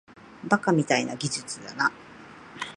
バカみたいな技術だな